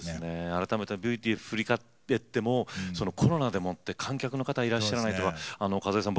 改めてＶＴＲ振り返ってもコロナでもって観客の方いらっしゃらない和恵さん